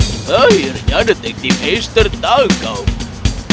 akhirnya detektif ace tertangkap